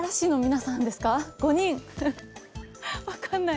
分かんない。